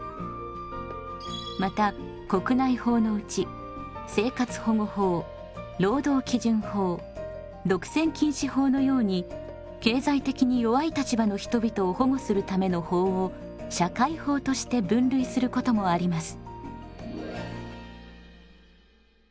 また国内法のうち生活保護法労働基準法独占禁止法のように経済的に弱い立場の人々を保護するための法を社会法として分類することもあります。